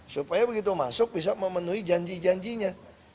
supaya begitu masuk bisa memenuhi janji janjinya